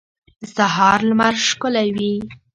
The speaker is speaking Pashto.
د سهار لمر ښکلی وي.